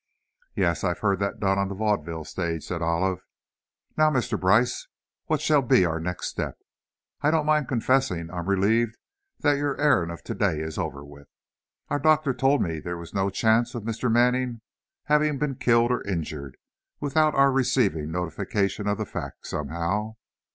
"Yes, I've heard that done on the vaudeville stage," said Olive. "Now Mr. Brice, what shall be our next step? I don't mind confessing I'm relieved that your errand of today is over with. Our doctor told me there was no chance of Mr. Manning having been killed or injured, without our receiving notification of the fact, somehow.